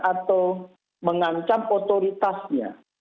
atau mengancam otoritasnya